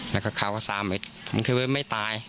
แล้วก็เขาก็ซ่าไปผมคิดว่าไม่ตาย